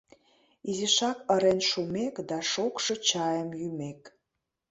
Изишак ырен шумек да шокшо чайым йӱмек.